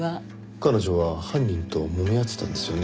彼女は犯人ともみ合ってたんですよね？